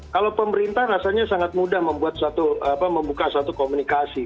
kalau pemerintah rasanya sangat mudah membuat suatu membuka satu komunikasi